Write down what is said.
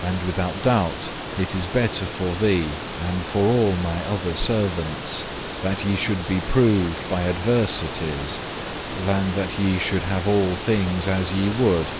And without doubt it is better for thee and for all My other servants, that ye should be proved by adversities, than that ye should have all things as ye would.